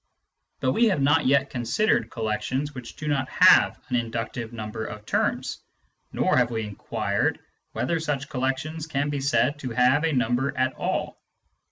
But we have not yet considered collections which do not have an inductive number of terms, nor have we inquired whether such collections can be said to have a number at all.